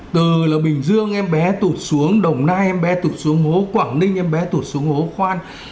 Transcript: từ bình dương em bé tụt xuống đồng nai em bé tục xuống hố quảng ninh em bé tụt xuống hố khoan